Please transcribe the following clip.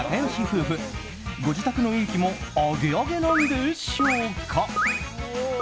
夫婦ご自宅の運気もアゲアゲなんでしょうか？